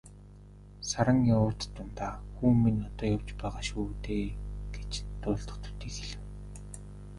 Саран явуут дундаа "Хүү минь одоо явж байгаа шүү дээ" гэж дуулдах төдий хэлэв.